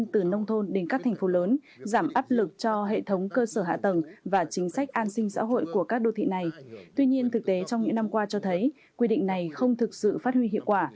tuy nhiên thực tế trong những năm qua cho thấy quy định này không thực sự phát huy hiệu quả